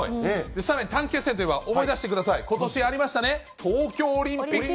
さらに短期決戦といえば、思い出してください、ことしありましたね、東京オリンピック。